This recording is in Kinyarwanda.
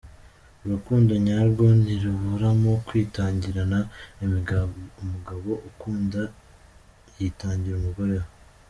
Urukundo nyarwo ntiruburamo kwitangirana, umugabo ukunda yitangira umugore we.